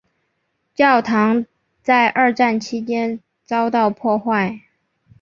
教堂在二战期间遭到破坏。